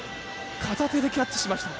片手でキャッチしました。